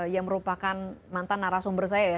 yang merupakan mantan narasumber saya ya